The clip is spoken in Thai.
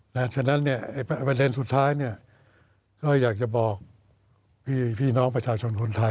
ดังฉะนั้นเนี่ยเอติเบอร์เทนสุดท้ายนี่ก็อยากจะบอกพี่น้องประชาชนคนไทย